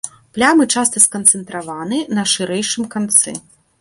Плямы часта сканцэнтраваны на шырэйшым канцы.